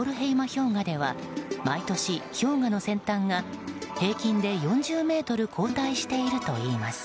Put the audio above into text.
氷河では毎年氷河の先端が平均で４０ｍ後退しているといいます。